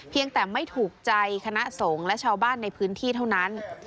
ยังแต่ไม่ถูกใจคณะสงฆ์และชาวบ้านในพื้นที่เท่านั้น